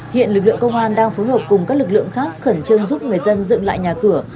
hiện lực lượng công an đang phối hợp cùng các lực lượng khác khẩn trương giúp người dân dựng lại nhà cửa